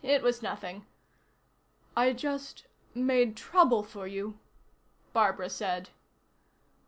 "It was nothing." "I just made trouble for you," Barbara said.